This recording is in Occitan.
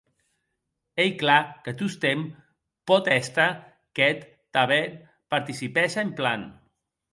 Ei clar que tostemp pòt èster qu'eth tanben participèsse en plan.